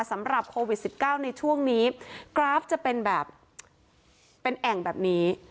สำหรับโควิด๑๙ในช่วงนี้กราฟจะเป็นแบบเป็นแอ่งแบบนี้